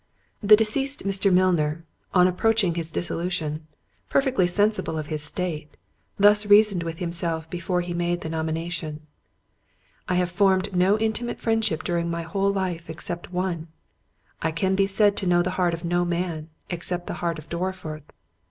The deceased Mr. Milner, on his approaching dissolution, perfectly sensible of his state, thus reasoned with himself before he made the nomination:—"I have formed no intimate friendship during my whole life, except one—I can be said to know the heart of no man, except the heart of Dorriforth.